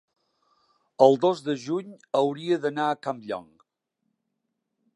el dos de juny hauria d'anar a Campllong.